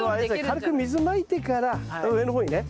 軽く水まいてから上の方にね。